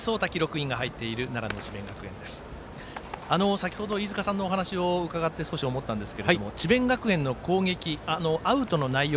先ほど、飯塚さんのお話を伺って少し思ったんですけれども智弁学園の攻撃アウトの内容